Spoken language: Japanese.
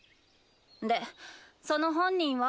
でその本人は？